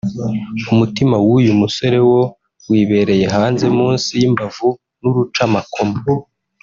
umutima w’uyu musore wo wibereye hanze munsi y’imbavu n’urucamakoma